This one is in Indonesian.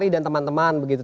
dan teman teman begitu